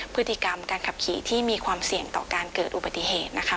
พฤติกรรมการขับขี่ที่มีความเสี่ยงต่อการเกิดอุบัติเหตุนะคะ